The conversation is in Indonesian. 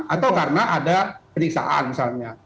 atau karena ada periksaan misalnya